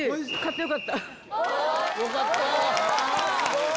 よかったー！